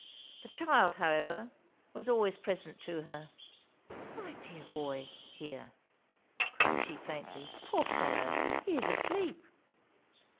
The child, however, was always present to her. 'My dear boy here?' cried she, faintly; 'poor fellow, he is asleep!'